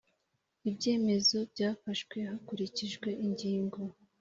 Ibyemezo byafashwe hakurikijwe ingingo